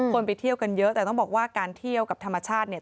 ไปเที่ยวกันเยอะแต่ต้องบอกว่าการเที่ยวกับธรรมชาติเนี่ย